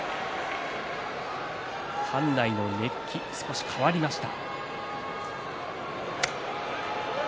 館内の熱気、少し変わりました。